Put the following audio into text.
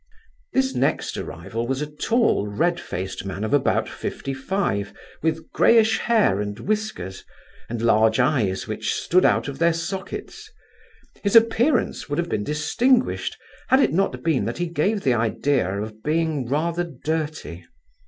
This next arrival was a tall red faced man of about fifty five, with greyish hair and whiskers, and large eyes which stood out of their sockets. His appearance would have been distinguished had it not been that he gave the idea of being rather dirty.